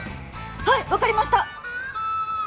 はい分かりました！